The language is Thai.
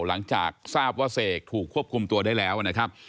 หลังจากทราบว่าเสกถูกควบคุมตัวได้แล้วนะครับ